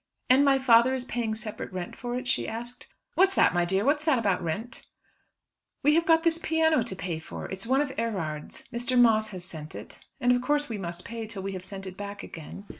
"And my father is paying separate rent for it?" she asked. "What's that, my dear? What's that about rent?" "We have got this piano to pay for. It's one of Erard's. Mr. Moss has sent it, and of course we must pay till we have sent it back again.